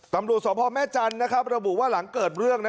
ตำรวจสพแม่จันทร์ระบุว่าหลังเกิดเรื่อง